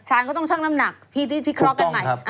ศาลก็ต้องช่องน้ำหนักพิเคราะห์กันใหม่